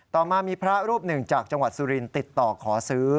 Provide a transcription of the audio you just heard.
ต่อมามีพระรูปหนึ่งจากจังหวัดสุรินติดต่อขอซื้อ